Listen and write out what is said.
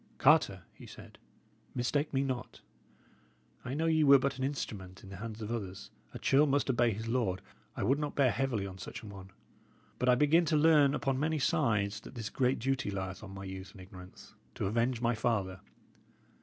"Carter," he said, "mistake me not. I know ye were but an instrument in the hands of others; a churl must obey his lord; I would not bear heavily on such an one. But I begin to learn upon many sides that this great duty lieth on my youth and ignorance, to avenge my father.